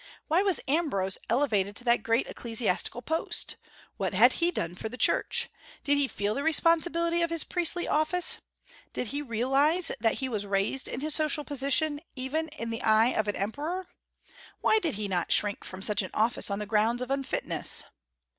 Why was Ambrose elevated to that great ecclesiastical post? What had he done for the Church? Did he feel the responsibility of his priestly office? Did he realize that he was raised in his social position, even in the eye of an emperor? Why did he not shrink from such an office, on the grounds of unfitness?